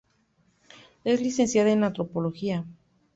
Es licenciada en antropología.